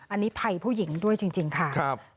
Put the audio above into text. อันนี้ภัยผู้หญิงด้วยจริงค่ะ